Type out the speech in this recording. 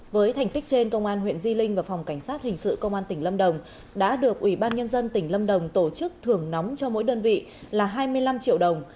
với thành tích trên công an huyện di linh và phòng cảnh sát hình sự công an tỉnh lâm đồng đã được ủy ban nhân dân tỉnh lâm đồng tổ chức thưởng nóng cho mỗi đơn vị là hai mươi năm triệu đồng